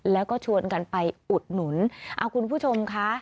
แล้วก็ชวนกันไปอุดหนุนเอาคุณผู้ชมคะ